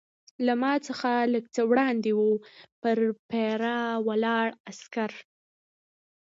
له ما څخه لږ څه وړاندې وه، پر پیره ولاړ عسکر.